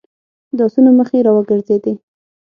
د آسونو مخې را وګرځېدې.